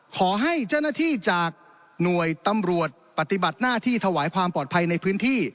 ขอให้เจ้าหน้าที่จากหน่วยตำรวจปฏิบัติหน้าที่ถวายความปลอดภัยในพื้นที่